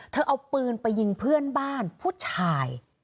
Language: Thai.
เอาปืนไปยิงเพื่อนบ้านผู้ชาย